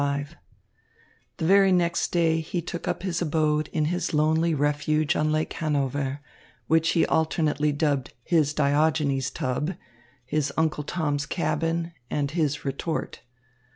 XXV The very next day he took up his abode in his lonely refuge on Lake Hanover, which he alternately dubbed his Diogenes tub, his Uncle Tom's Cabin, and his retort.